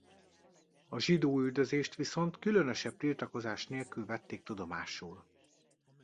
A zsidóüldözést viszont különösebb tiltakozás nélkül vették tudomásul.